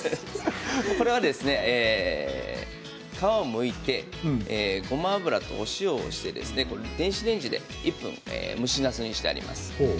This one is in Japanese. これは、皮をむいてごま油とお塩をしてですね電子レンジで１分蒸しなすにしてあります。